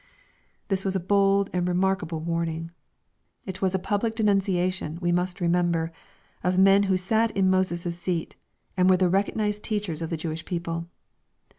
This was a bold and remarkable warning. It was a public denunciation, we must remember, of men who " sat in Moses' seat," and were the recognized teach ers of the Jewish people.